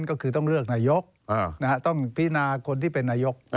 ก็คือต้องเลือกนายกต้องพินาคนที่เป็นนายก